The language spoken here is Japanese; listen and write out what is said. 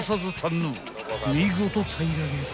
［見事平らげた］